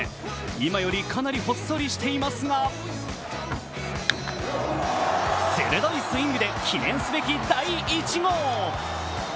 今よりかなりほっそりしていますが鋭いスイングで記念すべき第１号。